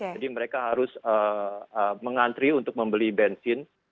jadi mereka harus mengantri untuk membeli bensin